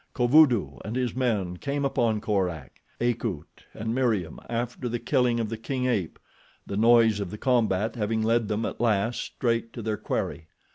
Kovudoo and his men came upon Korak, Akut and Meriem after the killing of the king ape, the noise of the combat having led them at last straight to their quarry.